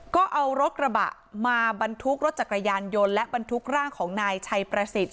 ก็เอารถกระบะมาบรรทุกรถจักรยานยนต์และบรรทุกร่างของนายชัยประสิทธิ์